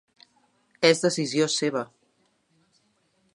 És decisió seva.